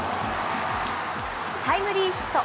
タイムリーヒット。